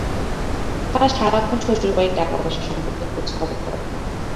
তারা সারাক্ষণ শ্বশুরবাড়ির টাকাপয়সা সম্পর্কে খোঁজখবর করে।